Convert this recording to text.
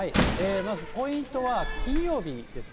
まずポイントは金曜日ですね。